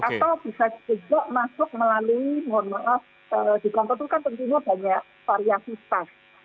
atau bisa juga masuk melalui mohon maaf di kantor itu kan tentunya banyak variasi tas